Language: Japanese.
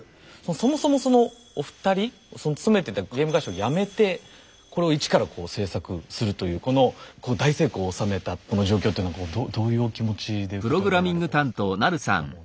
そもそもそのお二人勤めてたゲーム会社を辞めてこれを一から制作するというこのこう大成功をおさめたこの状況っていうのはどういうお気持ちで受け止められてますか？